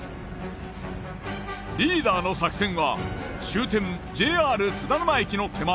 リーダーの作戦は終点ＪＲ津田沼駅の手前